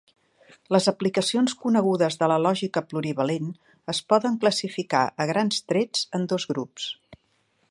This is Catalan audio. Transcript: Les aplicacions conegudes de la lògica plurivalent es poden classificar, a grans trets, en dos grups.